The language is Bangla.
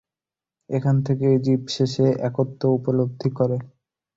এখান থেকেই জীব শেষে একত্ব উপলব্ধি করে।